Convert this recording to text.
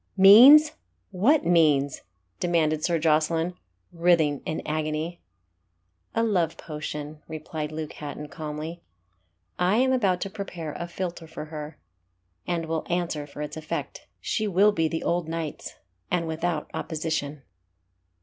"Means! what means?" demanded Sir Jocelyn, writhing in agony. "A love potion," replied Luke Hatton, calmly, "I am about to prepare a philter for her, and will answer for its effect. She will be the old knight's, and without opposition."